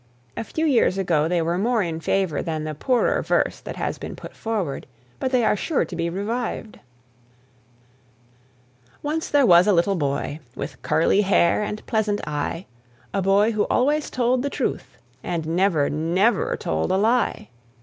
A few years ago they were more in favour than the poorer verse that has been put forward. But they are sure to be revived. Once there was a little boy, With curly hair and pleasant eye A boy who always told the truth, And never, never told a lie.